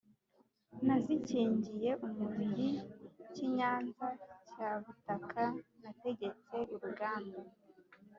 nazikingiye umubiri Kinyanza cya Butaka, nategetse urugamba